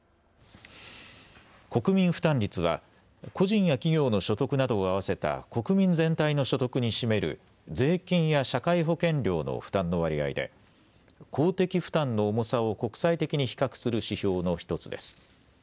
国民負担率は個人や企業の所得などを合わせた国民全体の所得に占める税金や社会保険料の負担の割合で公的負担の重さを国際的に比較する指標の１つです。